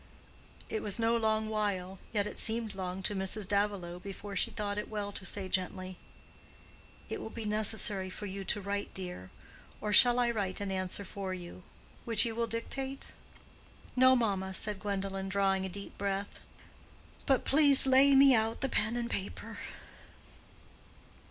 It was no long while—yet it seemed long to Mrs. Davilow, before she thought it well to say, gently, "It will be necessary for you to write, dear. Or shall I write an answer for you—which you will dictate?" "No, mamma," said Gwendolen, drawing a deep breath. "But please lay me out the pen and paper."